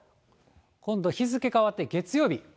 今度、日付変わって月曜日。